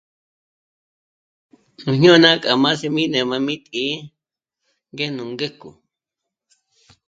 Nú jñôna k'a m'á sí'mijmé má' mí tǐ'ǐ ngé nú ngéjko